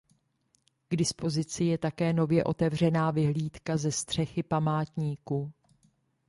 K dispozici je také nově otevřená vyhlídka ze střechy Památníku.